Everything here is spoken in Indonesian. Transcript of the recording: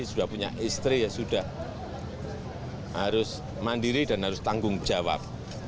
sudah punya istri ya sudah harus mandiri dan harus tanggung jawab